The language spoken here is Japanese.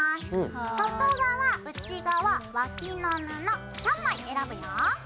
外側内側脇の布３枚選ぶよ。